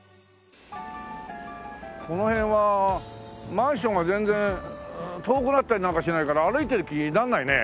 この辺はマンションが全然遠くなったりなんかしないから歩いてる気にならないね。